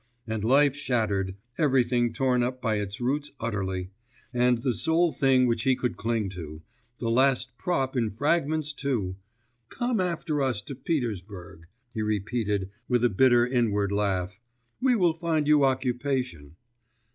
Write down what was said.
And life shattered, everything torn up by its roots utterly, and the sole thing which he could cling to the last prop in fragments too! 'Come after us to Petersburg,' he repeated with a bitter inward laugh, 'we will find you occupation....